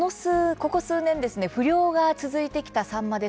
ここ数年不漁が続いてきたサンマ。